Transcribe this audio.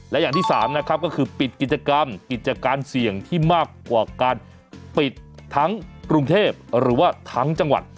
และอย่างที่สามนะครับก็คือปิดกิจกรรมกิจการเสี่ยงที่มากกว่าการปิดทั้งกรุงเทพหรือว่าทั้งจังหวัด